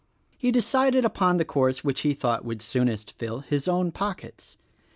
He decided upon the course which he thought would soonest fill his own pockets.